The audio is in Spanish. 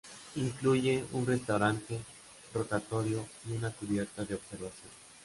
Incluye un restaurante rotatorio y una cubierta de observación.